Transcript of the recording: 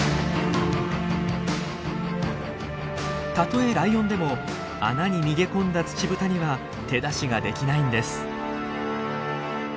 たとえライオンでも穴に逃げ込んだツチブタには手出しができないんです。